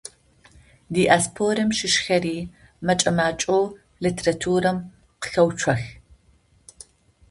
Диаспорэм щыщхэри мэкӏэ-макӏэу литературэм къыхэуцох.